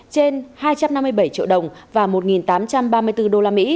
trên hai trăm năm mươi bảy triệu đồng và một tám trăm ba mươi bốn usd